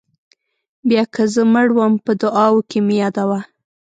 بیا که زه مړ وم په دعاوو کې مې یادوه.